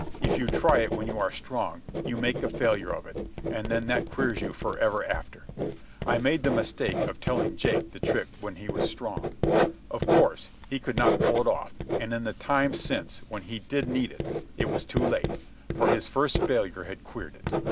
If you try it when you are strong, you make a failure of it, and then that queers you for ever after. I made the mistake of telling Jake the trick when he was strong. Of course, he could not pull it off, and in the times since when he did need it, it was too late, for his first failure had queered it.